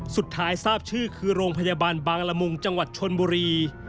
ทราบชื่อคือโรงพยาบาลบางละมุงจังหวัดชนบุรี